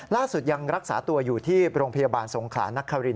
ล่าสุดยังรักษาตัวอยู่ที่โรงพยาบาลสงขลานคริน